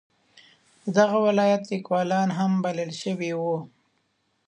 د دغه ولایت لیکوالان هم بلل شوي وو.